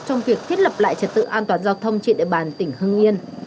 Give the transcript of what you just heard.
trong việc thiết lập lại trật tự an toàn giao thông trên địa bàn tỉnh hưng yên